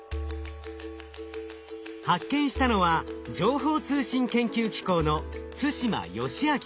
発見したのは情報通信研究機構の對馬淑亮さん。